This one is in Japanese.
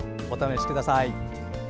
お試しください。